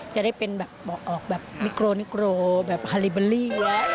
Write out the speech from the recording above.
จะได้เป็นแบบบอกออกแบบนิโกแบบฮาร์ลิเบอร์รี่